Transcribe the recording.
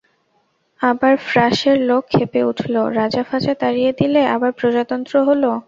আবার ফ্রাঁসের লোক ক্ষেপে উঠল, রাজা-ফাজা তাড়িয়ে দিলে, আবার প্রজাতন্ত্র হল।